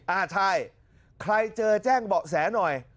อ่าใช่ใครเจอแจ้งเบาะแสหน่อย